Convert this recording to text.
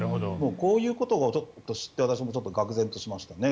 こういうことを知って私もがくぜんとしましたね。